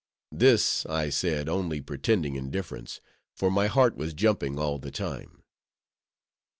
This I said, only pretending indifference, for my heart was jumping all the time.